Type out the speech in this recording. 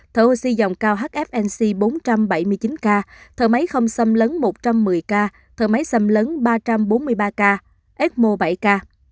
thở oxy dòng cao hfnc bốn trăm bảy mươi chín ca thợ máy không xâm lấn một trăm một mươi ca thở máy xâm lấn ba trăm bốn mươi ba ca ecmo bảy k